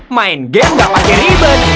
main game gak lagi ribet